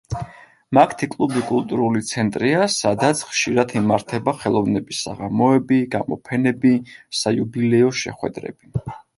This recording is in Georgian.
მაგთი კლუბი კულტურული ცენტრია, სადაც ხშირად იმართება ხელოვნების საღამოები, გამოფენები, საიუბილეო შეხვედრები.